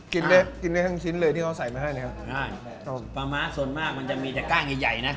กินได้ทั้งชิ้นเลยที่เขาใส่มาให้แล้วอ่าปลาม้าส่วนมากมันจะมีแต่กล้างใหญ่ใหญ่นะ